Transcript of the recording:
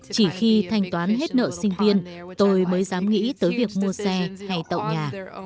chỉ khi thanh toán hết nợ sinh viên tôi mới dám nghĩ tới việc mua xe hay tậu nhà